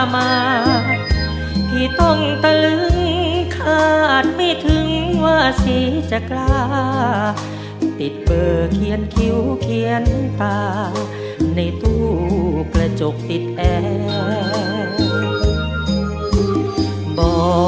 มีทั้งหมด๘แผ่นป้ายนะครับ